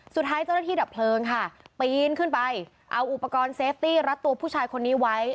สุดท้ายเจ้าหน้าที่ดับเพลิงค่ะปีนขึ้นไปเอาอุปกรณ์เซฟตี้รัดตัวผู้ชายคนนี้ไว้